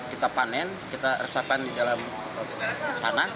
kita panen kita resapkan di dalam tanah